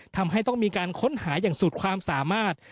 ทำให้ต้องมีการค้นหาอย่างสุดความสามารถ